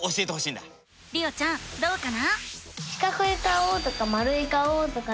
りおちゃんどうかな？